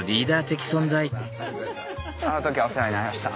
あの時はお世話になりました。